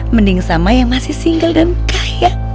mending sama yang masih single dan kaya